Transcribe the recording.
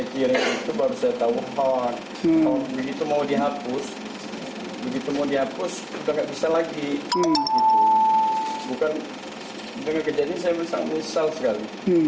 ternyata kejadian ini saya bisa menyesal sekali